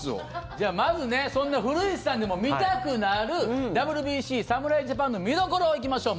じゃあ、まずねそんな古市さんでも見たくなるＷＢＣ侍ジャパンの見どころ行きましょう。